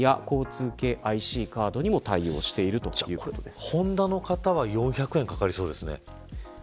支払い方法はホンダの方は４００円かかりそうですね。